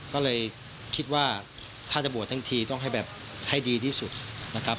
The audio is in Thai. ก็เลยคิดว่าถ้าจะบวชทั้งทีต้องให้แบบให้ดีที่สุดนะครับ